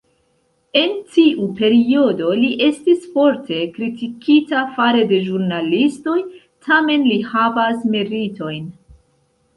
En tiu periodo li estis forte kritikita fare de ĵurnalistoj, tamen li havas meritojn.